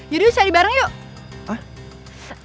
yaudah yuk cari bareng yuk